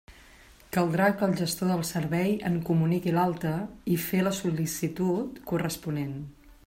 Caldrà que el gestor del servei en comuniqui l'alta i fer la sol·licitud corresponent.